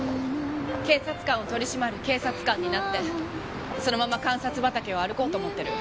警察官を取り締まる警察官になってそのまま監察畑を歩こうと思ってる。